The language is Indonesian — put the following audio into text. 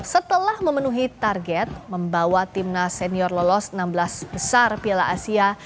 setelah memenuhi target membawa timnas senior lolos enam belas besar piala asia